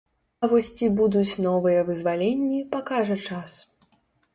А вось ці будуць новыя вызваленні, пакажа час.